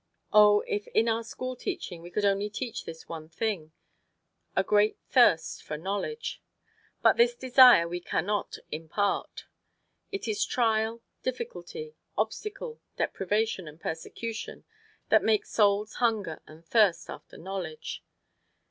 Oh, if in our schoolteaching we could only teach this one thing: a great thirst for knowledge! But this desire we can not impart: it is trial, difficulty, obstacle, deprivation and persecution that make souls hunger and thirst after knowledge.